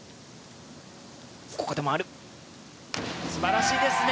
素晴らしいですね。